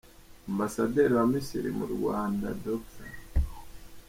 Ambasaderi wa Misiri mu Rwanda, Dr.